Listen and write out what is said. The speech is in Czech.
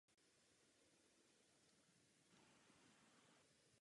Bez souhlasu autora není možné totožnost autora prozradit.